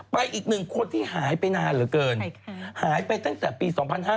อีกหนึ่งคนที่หายไปนานเหลือเกินหายไปตั้งแต่ปี๒๕๕๙